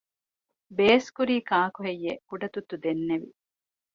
ބޭސްކުރީ ކާކުހެއްޔެވެ؟ ކުޑަތުއްތު ދެންނެވި